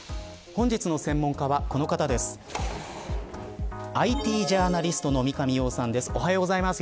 本日の専門家はこの方です。